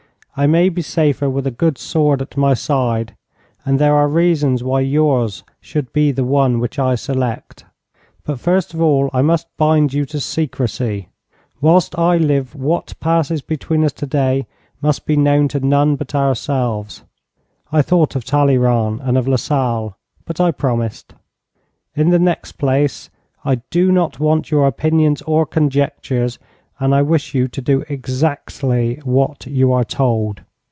'I may be safer with a good sword at my side, and there are reasons why yours should be the one which I select. But first of all I must bind you to secrecy. Whilst I live what passes between us today must be known to none but ourselves.' I thought of Talleyrand and of Lasalle, but I promised. 'In the next place, I do not want your opinions or conjectures, and I wish you to do exactly what you are told.'